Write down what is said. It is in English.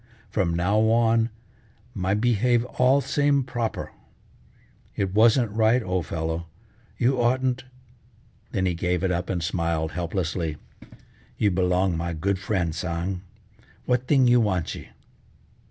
From now on my behave all same proper. It wasn't right, old fellow, you oughtn't " then he gave it up and smiled helplessly, "you belong my good friend Tsang, what thing you wantchee?"